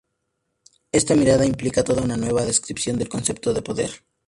Esta mirada implica toda una nueva descripción del concepto de poder.